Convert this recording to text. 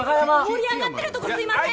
盛り上がってるとこすいません！